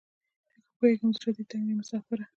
ښه پوهیږم زړه دې تنګ دی مساپره